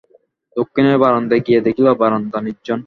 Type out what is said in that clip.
দক্ষিণের বারান্দায় গিয়া দেখিল, বারান্দা নির্জন।